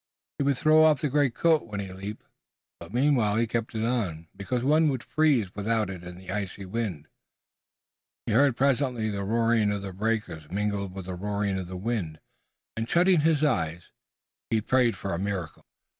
He would throw off the greatcoat when he leaped, but meanwhile he kept it on, because one would freeze without it in the icy wind. He heard presently the roaring of the breakers mingled with the roaring of the wind, and, shutting his eyes, he prayed for a miracle.